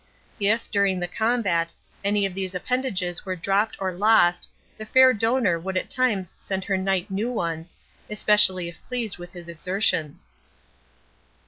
If, during the combat, any of these appendages were dropped or lost the fair donor would at times send her knight new ones, especially if pleased with his exertions.